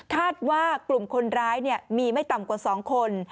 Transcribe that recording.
คาดว่ากลุ่มคนร้ายมีไม่ต่ำกว่า๒คน